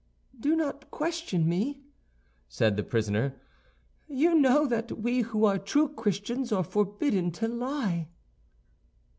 "Do not question me," said the prisoner; "you know that we who are true Christians are forbidden to lie."